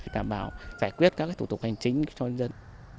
đảm bảo giải quyết các thủ tục hành chính cho nhân dân